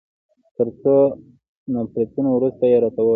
تر څو نا پړيتو وروسته يې راته وویل.